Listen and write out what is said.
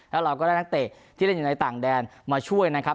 แล้วเราก็ได้นักเตะที่เล่นอยู่ในต่างแดนมาช่วยนะครับ